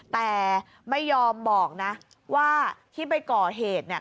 แต่ไม่ยอมบอกนะว่าที่ไปก่อเหตุเนี่ย